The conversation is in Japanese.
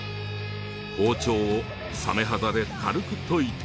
包丁をサメ肌で軽く研いで。